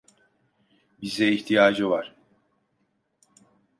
Bize ihtiyacı var.